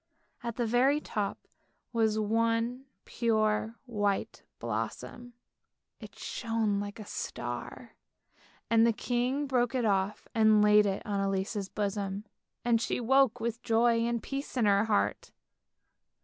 At the very top was one pure white blossom, it shone like a star, and the king broke it off and laid it on Elise's bosom, and she woke with joy and peace in her heart.